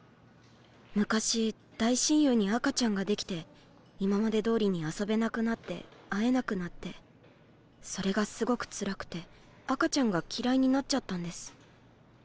昔大親友に赤ちゃんができて今までどおりに遊べなくなって会えなくなってそれがすごくつらくて赤ちゃんが嫌いになっちゃったんです。